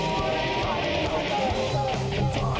มุนทัน